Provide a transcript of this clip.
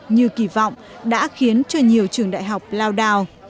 như kỳ vọng đã khiến cho nhiều trường đại học lao đào